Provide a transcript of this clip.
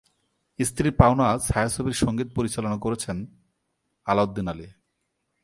স্ত্রীর পাওনা ছায়াছবির সঙ্গীত পরিচালনা করেছেন আলাউদ্দিন আলী।